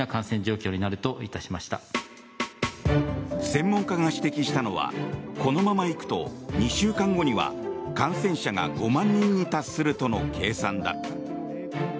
専門家が指摘したのはこのまま行くと２週間後には感染者が５万人に達するとの計算だ。